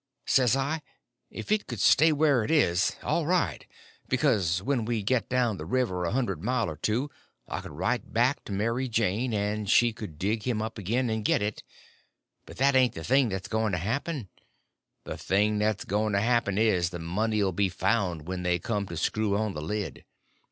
Says I, if it could stay where it is, all right; because when we get down the river a hundred mile or two I could write back to Mary Jane, and she could dig him up again and get it; but that ain't the thing that's going to happen; the thing that's going to happen is, the money 'll be found when they come to screw on the lid.